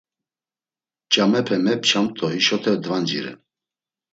Ç̌amepe mepçamt do hişote dvanciren.